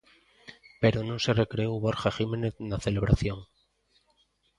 Pero non se recreou Borja Jiménez na celebración.